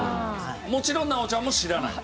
もちろん奈央ちゃんも知らない？